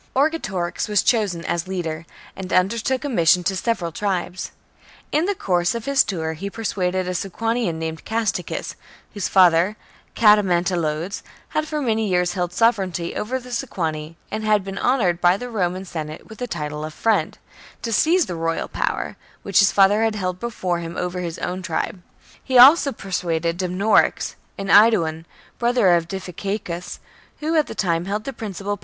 Orgetorix was chosen as leader, and undertook a mission to the several tribes. In the course of his tour he persuaded a Sequanian named Casticus, whose father, Catamantaloedes, had for many years held sovereignty over the Sequani, and had been honoured by the Roman Senate with the title of Friend, to seize the royal power, which his father had held before him, over his own tribe ; he also persuaded Dumnorix, an Aeduan, brother of Diviciacus, who at that time held the principal 4 CAMPAIGNS AGAINST THE book 6i B.C.